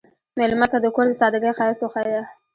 مېلمه ته د کور د سادګۍ ښایست وښیه.